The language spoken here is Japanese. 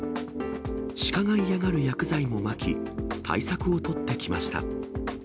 鹿が嫌がる薬剤もまき、対策を取ってきました。